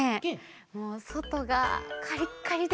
もうそとがカリッカリで。